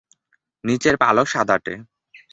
নিচের পালক সাদাটে।